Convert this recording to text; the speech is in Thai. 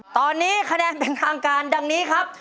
ตอนนี้คะแนนเป็นทางการดังนี้ครับ